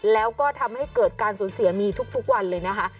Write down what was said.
แล้วก็ทำให้เกิดการสูญเสียมีทุกวันเลยนะคะ